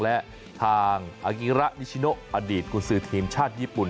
และทางอากิระนิชิโนอดีตกุศือทีมชาติญี่ปุ่น